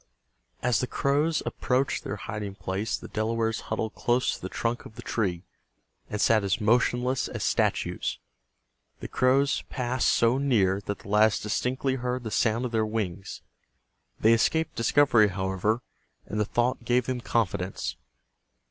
As the crows approached their hiding place the Delawares huddled close to the trunk of the tree, and sat as motionless as statues. The crows passed so near that the lads distinctly heard the sound of their wings. They escaped discovery, however, and the thought gave them confidence.